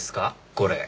これ。